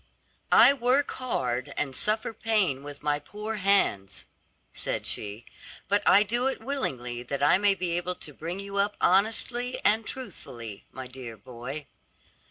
"I work hard and suffer pain with my poor hands," said she, "but I do it willingly, that I may be able to bring you up honestly and truthfully, my dear boy."